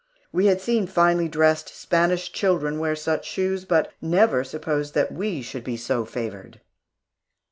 We had seen finely dressed Spanish children wear such shoes, but never supposed that we should be so favored.